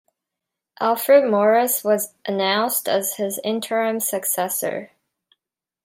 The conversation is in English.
Alfred Morris was announced as his interim successor.